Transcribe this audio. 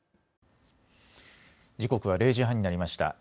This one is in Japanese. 時刻は０時半になりました。